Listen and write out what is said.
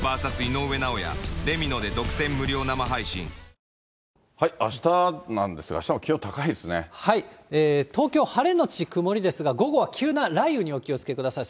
「メリット」あしたなんですが、東京、晴れ後曇りですが、午後は急な雷雨にお気をつけください。